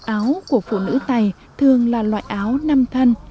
áo của phụ nữ tày thường là loại áo năm thân